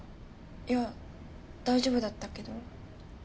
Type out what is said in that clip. いや大丈夫だったけど。